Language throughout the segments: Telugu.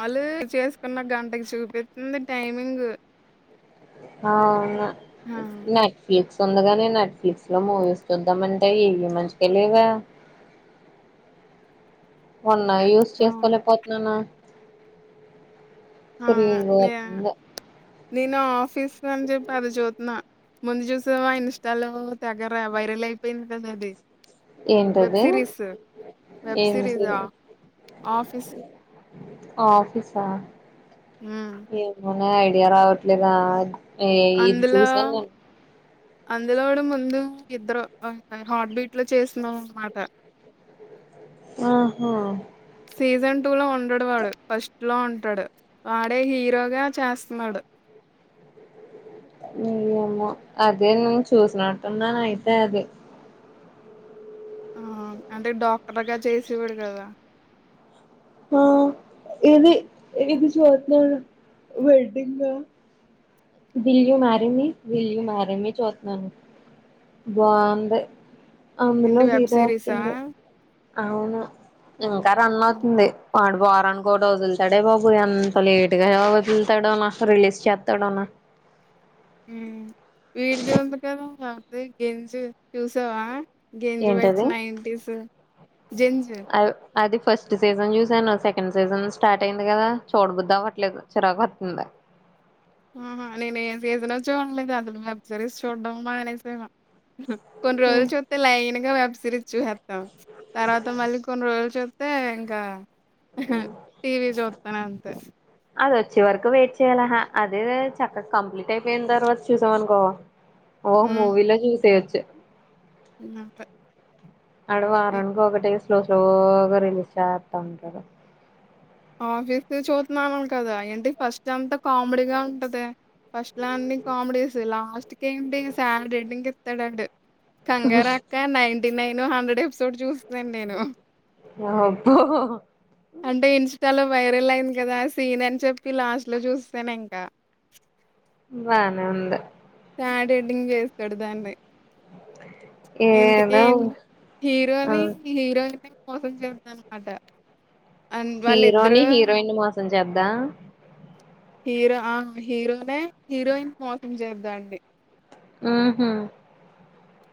వాళ్ళు చేసుకున్న గంటకి చూపిస్తుంది టైమింగ్ అవును ఆ నెక్ ప్ సుంది గాని నెట్ఫ్లిక్స్ లో మూవీస్ చూద్దామంటే ఏవి మంచిగా లేవే ఉన్నా యూస్ ఆ చేసుకోలేకపోతున్నానా ఆ సరి గ నే ద్ నేను ఆఫీస్ అని చెప్పరు జొత్న్నా ముందు చూసవా ఇన్స్టాలో తెగరా వైరలైపోయింది కదా అది వెబ్ ఏంటది సిరీస్ వెబ్ సీరీస్ ఏంటి ఆ ఆఫీస్ ఆఫీసా ఆ ఏమోనే ఐడియా రావట్లేదా ఇది అందులో చూసాను నేను అందులో కూడా ముందు ఇద్దరు హార్ట్ బీట్ లో చేస్తున్నారు అన్నమాట ఆహా సీజన్ టూ లో ఉండడు వాడు ఫస్ట్ ఫస్టులో ఉంటాడు వాడే హీరోగా చేస్తున్నాడు ఇంకేమో అదే నేను చూసినట్టున్నాను అయితే అది ఆ అంటే డాక్టర్గా చేసేవాడు కదా ఆ ఏది ఏది ఇపుడు చేస్తున్నారు వెడ్డింగ్దా will you marry me will you marry me చూతున్నాను బాగుంది అందులో ఏంటి వెబ్ హీరో సిరీసా యాక్టింగే అవును ఇంకా రన్ అవుతుంది వాడు వారానికోటి వదులుతాడే బాబు ఎంత లేట్గా వదులుతాడోనా రిలీజ్ చేస్తాడోనా ప్ర ఉమ్ వీడిది ఉంది కదా గెంజ్ చూసావా గెంజ్ వెడ్స్ ఏంటది నాన్టీస్ జెన్జి అ అది ఫస్ట్ సీజన్ చూసాను సెకండ్ సీజన్ స్టార్ట్ అయింది కదా చూడబుద్దవ్వట్లేదు చిరాకు వత్తుంది ఆహా నేను ఏ సీజను చూడలేదు అసలు వెబ్ సిరీస్ చూడ్డం మనేసాను కొన్ని రోజులు చూస్తే లైన్ గా వెబ్ సిరీస్ చూసేస్తాం తర్వాత మళ్ళీ కొన్ని రోజులు చూస్త అంతే ఇంకా టీవీ చూస్తాను అంతే అదొచ్చే వరకు వెయిట్ చేయ్యాలా అదే చక్కగా కంప్లీట్ అయిపోయిన తర్వాత చూసామనుకో ఓ మూవీలా చూసేయొచ్చు ఇంకంతే ఆడ వారానికి ఒకటి స్లో స్లోగా రిలీజ్ చేస్తా ఉంటాడు ఆఫీస్ ది చూతున్నావేమో కదా ఏంటి ఫస్ట్ అంతా కామెడీగా ఉంటది ఫస్ట్లో అన్ని కామెడీస్ లాస్ట్కి ఏంటి సాడ్ ఎండింగ్ ఇస్తాడండి కంగార అక్క నైన్టీ నైన్ హండ్రెడ్ ఎపిసోడ్ చూస్తున్నాను నేను అబ్బో అంటే ఇన్ ఇన్స్టాలో వైరల్ అయింది కదా సీన్ అని చెప్పి లాస్ట్ లో చూసెసాను ఇంకా బానే ఉంది సాడ్ ఎండింగ్ చేస్తడు దాన్ని ఇంతకి ఏదో ఆ హీరోని హీరోయిన్ మోసం చేస్తది అన్నమాట హీరోని హీరోయిన్ మోసం చేద్దా హీరో ఆ హీరోనే హీరోయిన్ మోసం చేద్దండీ ఉహు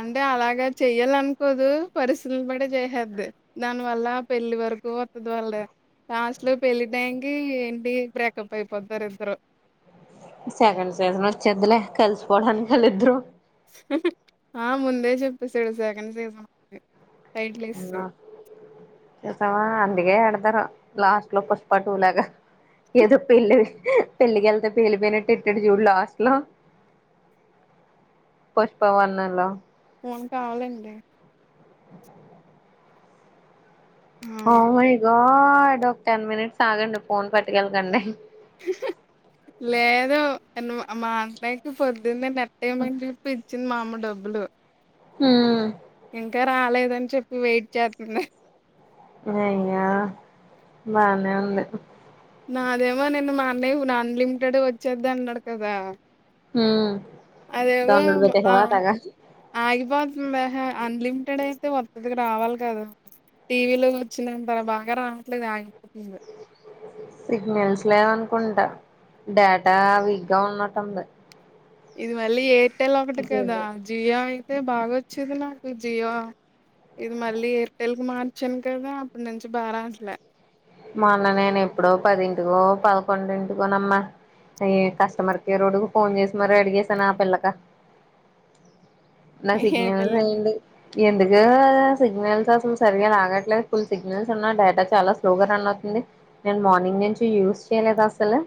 అంటే అలాగ చెయ్యాలనుకోదు పరిస్థితులను పట్టి చేసేద్ది దాని వల్ల పెళ్లి వరకు వత్తది వాళ్ళది లాస్ట్ లో పెళ్లి టైమ్కి ఏంటి బ్రేకప్ అయిపోతారు ఇద్దరు సెకండ్ సీజన్ వచ్చిద్లే కలిసిపోడానికి వాళ్ళిద్దరు ఆ ముందే చెప్పేసాడు సెకండ్ సీజన్ ఉందని అవునా ఇంకా అందుకే ఎడతారు లాస్ట్లో పుష్ప టూ లాగా ఏదో పెళ్ళి అయిపోద్ది పెళ్లికెళ్తే పేలిపోయినట్టు ఇట్టడు చూడు లాస్ట్ లో పుష్ప వన్నులో ఫోన్ కావాలండి ఓ మైగాడ్ ఓ టెన్ మినిట్స్ ఆగండి ఫోన్ పట్ట కెళ్ళకండి హుహూ లేదు మా అన్నయకి పొద్దున్నే నట్టేమని జెప్పి ఇచ్చింది మా అమ్మ డబ్బులు ఉమ్ ఇంకా రాలేదని చెప్పి వెయిట్ జేత్తున్న అయ్యే బానే ఉంది నాదేమో నిన్న మా అన్నయ్య అన్లిమిటెడ్ వచ్చేది అన్నాడు కదా అదేమో దొంగడు ఆ పెట్టేసావా తెగ ఆగిపో బెహే అన్లిమిటెడ్ అయితే వత్తది రావాలి కదా టీవీలో వచ్చినంత బాగా రావట్లేదు ఆగిపోతుంది. సిగ్నల్స్ లేవ్ అనుకుంటా డేటా వీక్ గా ఉన్నటుంది. ఇది మళ్ళీ ఎయిర్టెల్ ఒకటి కదా జియో అయితే బాగొచ్చేది నాకు జియో ఇది మళ్ళీ ఎయిర్టెల్ కి మార్చాను కదా అప్పటి నుంచి బాగరాట్లే మొన్న నేను ఎప్పుడో పదింటికో పదకొండింటికోనమ్మా అయ్య కస్టమర్ కేర్ ఒడుకు ఫోన్ చేసి మరి అడిగేసాను ఆపు కోలేక [inaudible] నా ఏ సిగ్నల్ పిల్లకి అయింది ఎందుకు సిగ్నల్స్ అసలు సరిగా లాగట్లేదు ఫుల్ సిగ్నల్స్ ఉన్న డేటా చాలా స్లోగా రన్ అవుతుంది నేను మార్నింగ్ నుంచి యూస్ చేయలేదు అసలు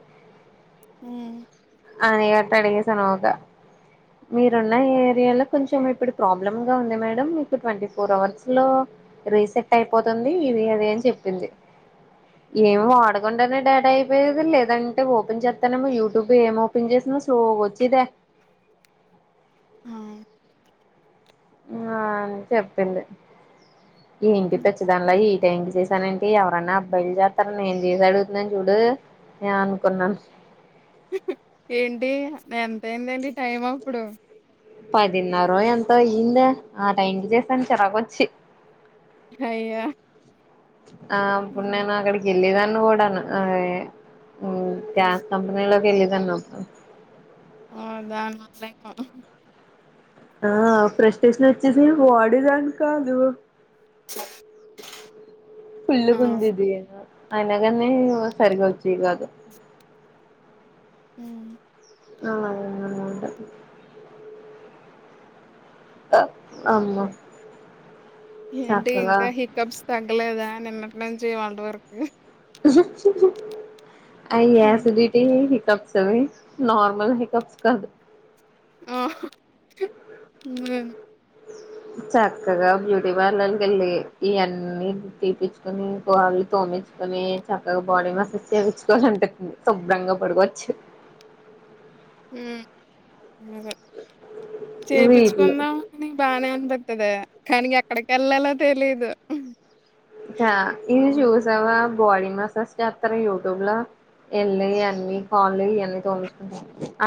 ఉమ్ అని అట్ట అడిగేసా ఊగా మీరున్న ఈ ఏరియాలో కొంచెం ఇప్పుడు ప్రాబ్లమ్ గా ఉంది మేడం మీకు ట్వంటీ ఫోర్ అవర్స్ లో రీసెట్ అయిపోతుంది ఇది అది అని చెప్పింది ఏమి వాడకుండానే డాట అయిపోయది లేదంటే ఓపెన్ చేస్తానేమో యూట్యూబ్ ఏం ఓపెన్ చేస్త స్లో గొచ్చెదే [inaudible] ఆ ఆ చెప్పింది ఏంటి హ్మ్. పిచ్చదానిలా అంటే ఎం చేసానంటే ఎవరన్నా అబ్బాయిలు చేస్తారా నేం చేసి అడుగుతుంన్నాను చూడు ఏం అనుకున్నాను ఏంటి ఎంతయిందండి టైం అప్పుడు పదిన్నర ఎంతో అయ్యిందే ఆ టైంకి చేసాను చిరాగొచ్చి అయ్యో ఆ అప్పుడు నేను అక్కడికి వెళ్ళిదాన్ని కూడాను అ ఉమ్ గ్యాస్ కంపెనీలోకి వెళ్ళెదాన్ని అప్పుడు ఓ దాని వల్ల ఆ ఫ్రెస్టేషన్ వచ్చేసి వాడేదానికి కాదు ఫుల్ ఆ కుందిది ఏనా అయినా గాన్ని సరిగ్గా వచ్చెది గాదు ఉమ్ అలాగా అన్నమాట అమ్మ ఏంటి చక్కగా ఇంకా హికప్స్ తగ్గలేదా నిన్నటి నుంచి ఇవాళ్టి వరకు హు హు అయ్యా హ్మ్. అసలు ఇట్టెంది కప్స్అవి నార్మల్ హెకప్స్ కాదు ఆ హ్మ్మ్ చక్కగా బ్యూటీ పార్లర్కి ఎళ్ళి ఇయన్నీ తీపిచ్చుకొని గ్రోల్ తోమ కానీ చక్కగా బాడీ మసాజ్ చేయించుకోవాలి ఉంటుంది శుభ్రంగా పడుకోవచ్చు హ్మ్మ్ వీటిలో చేపించుకుందాంని బానే అన్ తగ్గదదే కానీ ఎక్కడికి ఎళ్ళాలో తెలీదు క్యా ఇది హ్మ్. చూసావా బాడీ మసాజ్ చేస్తారు యూట్యూబ్లో ఎళ్ళ అన్నీ కాాల అన్నీ తోలుచకుంట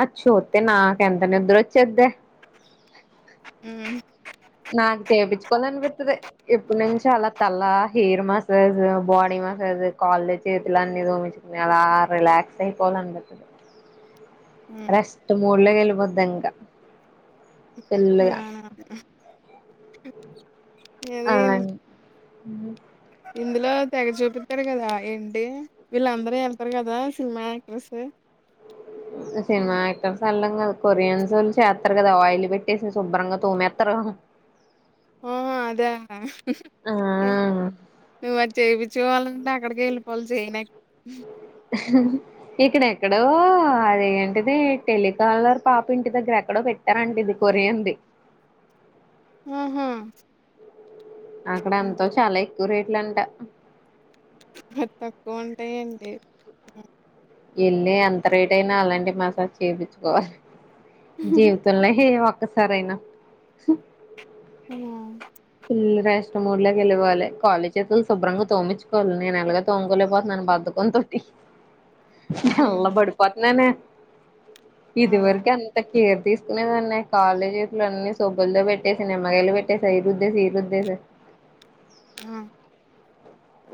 అ చూస్తతే నాకెంత నిద్రొచ్చేద్దే హ్మ్మ్ నాకు చేపిచ్చుకోవాల అనిపిస్తది ఇప్పుడు నుంచి అలా తల్ల హెయిర్ మసాజ్ బాడీ మసాజ్ కాల చేతులు అన్ని దోమించుకున్నాయి అలా రిలాక్స్ అయిపో అనిపితాది హ్మ్. రెస్ట్ మోడ్ లొ వెళ్ళిపోద్ది ఇంకా ఫుల్లుగా అదేయింన్ హ్మ్మ్ ఇందులో తెగ చూపితారు కదా ఏంటి వీళ్ళందరూ వెళ్తారు కదా సినిమా యాక్ట్రెస్ సినిమా ఆక్టర్స్ ఎళ్లడం కా కొరియన్స్ వొళ్ళు చేస్తారు కదా ఆయిల్ పెట్టేసి శుభ్రంగా తోమేతారు కదా ఆహ అదే ఆ నువ్వు మరి చేపించుకోవాలని అక్కడికి ఎళ్ళిపోవాలి చైనాక్ ఇక్కడ ఎక్కడో అదేంటిది టెలికాలర్ పాపి ఇంటి దగ్గర ఎక్కడో పెట్టారండి ఇది కొరియన్ ది ఆహా అక్కడ ఎంతో చాలా ఎక్కువ రేట్లు అంట మరి తక్కువ ఉంటాయా ఏంటి ఎళ్ళి ఎంత రేట్ అయినా అలాంటి మసాజ్ చేపిచ్చుకోవాలి జీవతంలో హే ఒక్కసారైనా హ్మ్మ్ పిల్ల ఇష్ట మూర్లోకి వెళ్ళవాలి కాలళీ చేతులుుభ్రంగా తోమించుకోవాలి నేను ఎలాగా తోముకోలేపోతున్నా బద్ధకంతోటి ఉమ్ నల్లబడిపోతున్నానే ఆ ఇదివరకు అంత్ కేర్ తీసుకునేదన్నాయి కాలేజీలు అన్నన్ని సబ్బులతో పెట్టేసి నిమ్మగాయలు పెట్టేసియి రుద్దేసి రుద్దేసే ఆ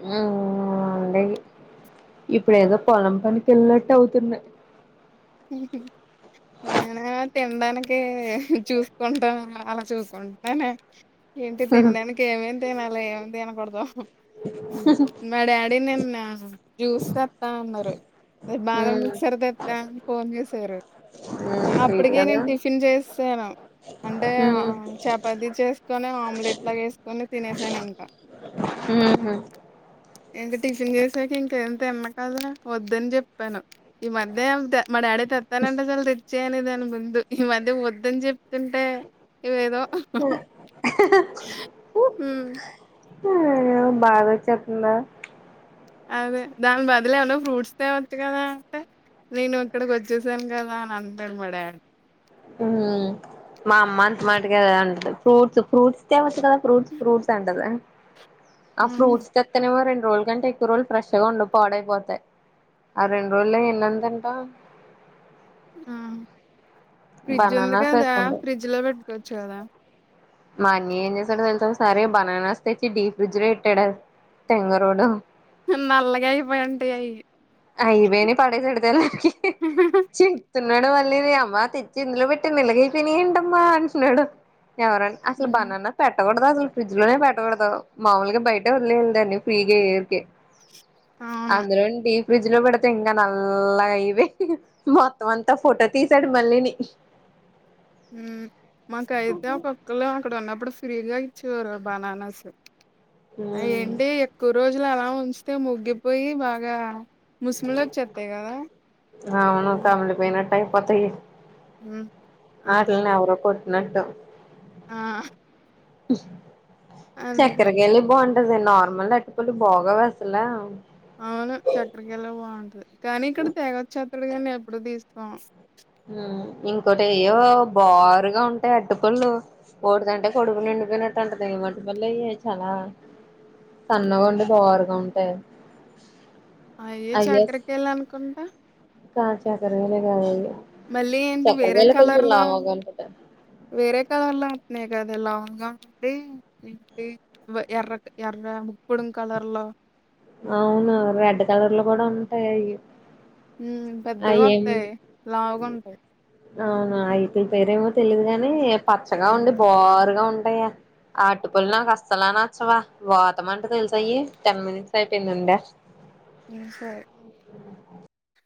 హ్మ్మ్ ఉండేగి ఇప్పుడు ఏదో పొలం పనికి ఎళ్ళట్టు అవుతున్నాయి హ్మ్మ్ నేనా తినడానికి చూసుకుంటాను అలా చూసుకుంటానే ఏంటి తినడానికి ఏమేమి తినాలా ఏమ తినకూడదు మా డాడీ నేన్ జ్యూస్ తేత్తాన్నారు బాదం ఉమ్ మిక్సర్తే తేత్తా ఏం చేసారు ఉమ్ స్వీట్ అప్పటికే కదా నేను టిఫిన్ చేసాను అంటే ఉమ్ చపాతి చేసుకొని ఆమ్లెట్ లాగా ఏసుకొని తినేసాను ఇంకా హ్మ్మ్ ఏంటి టిచిన్ చేసాక ఇంకేంత ఎన్న కాదా వద్దని చెప్పాను ఈ మధ్య అంతే మా డాడీ తేత్తానంటే చాలు తెచ్చే అనేదిని ముందు ఈ మధ్య వద్దని చెప్పి తంటే ఇవేదో ఉహు అయ్యో బాధిచేత్తందా అదే దాని బదులేమన్నా ఫ్రూట్స్ వచ్చ కదా అంటే నేను ఇక్కడికి వచ్చేసాను కదా అని అంటాను మ డా ఉ మా అమ్మ అంత మాటుగాద ఉంటదు ఫ్రూట్స్ ఫ్రూట్స్ తెవచ్చుకదా కదా ఫ్రూట్ ఫ్రూట్స్ ఆ అంటన ఏ ఆహా! ఫ్రూట్స్ తేత్తేనేమో రోల్లు కంటే ఎక్కువ రోలు ఫ్రెష్గా ఉండవ్ పావడైపోతాయి ఆ రెండు రోజల్లో ఎన్నందుంటా ఆ ఫ్రిడ్జ్ ఉంది బనానాస్ కదా ఎక్కువుండవు ఫ్రిడ్జ్ లో పెట్టుకోవచ్చు కదా మన్న ఏం చేసాడు తెలుసా సరే బనానా తెచ్చి డీప్ ఫ్రిడ్జ్ లో పెట్టాడు తెంగరోడు నల్లగ అయిపోయిడి అయ అయవేని పడేసెడుతేలాకి స్తున్నాడు మళ్ళీ అమ్మ తెచ్చి ఇందులో పెట్టి నిలగైపోయినాయి ఏంటమ్మా అంటున్నాడు ఎవరం అసలు హ్మ్. బనన్న పెట్టకూడదు అసలు ఫ్రిడ్జ్ లోనే పెట్టకూడదుా మాముూలుగా బయట వదిలేదాన్ని ఫ్రీగా వరికే అవును. అందు రెండి ఫ్రీజ్ పెడితే ఇంకా నల్ల అయి మొత్తం అంతా ఫోటో తీసాడు మళ్ళీని [unintelligible] మాకయితే ఒక్కళ అక్కడ ఉన్నప్పుడు ఫ్రీగా ఇచ్చేవరు బనానాస్ అ ఉమ్ ఏంటి ఎక్కువ రోజులు అలా ఉంచితే ముగ్గిపోయి బాగా ముస్మిలా చెస్తాయి కదా అయిపోత హ్మ్. అవును. ఆటని ఎవరో కొట్టినట్టు ఆ అందుకే. చక్కరగా వెళ్ళి బాగుంటా నార్మల్ అట్టుపళ్లు బాగోవ్ వసలా అవును చక్క్రకళ బాగుంటది కానీ ఇక్కడ తేగచ్చత్రడు కాని ఎప్పుడు తీస్తకోం ఇంకోటి ఏయో బారుగా ఉంటాయి అడ్డుపల్లు ఓడిదంటే కొడుపు నిండిపోయినట్టు అంట తని మటి పపల్ల అ చాలా సన్నగండి బారుగా ఉంటాయి అయే చకరకేలు అనుకుంటా కచకారాలేలి కావు అయ్యి మళ్ళీ ఏంటి వేరే కలర్ల ఉంటాయి వేరే కలర్లా న్నాయి కదా లాంగ్ అంటే ఏ ఎర్ర ఎర్ర ముప్పుడి కలర్ లో ఆ అవును రెడ్ కలర్లు కూడా ఉంటాయి అవి ఉ పెద్దగా అయేం వస్తాయి లావుగా ఉంటాయి అవునా ఐతుల్ పేరెమో తెలీదు గాని పచ్చగా ఉండి ఉమ్ బారుగా ఉం య అటు పలు నాకు అసలా నచ్చవా వాతమంటే తెలుస అయి టెన్ మినిట్స్ పెట్టిందండ నిం సార్